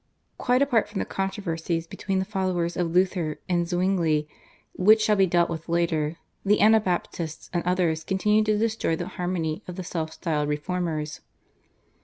Quite apart from the controversies between the followers of Luther and Zwingli, which shall be dealt with later, the Anabaptists and others continued to destroy the harmony of the self styled reformers.